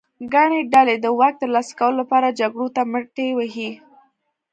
ګڼې ډلې د واک ترلاسه کولو لپاره جګړو ته مټې وهي.